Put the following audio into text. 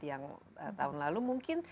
yang tahun lalu mungkin